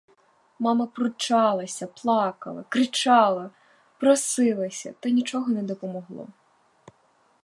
Мама пручалася, плакала, кричала, просилася, та нічого не помогло.